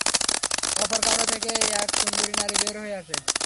অপর কামরা থেকে এক সুন্দরী নারী বের হয়ে আসে।